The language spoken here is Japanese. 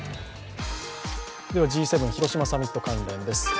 Ｇ７広島サミット関連です。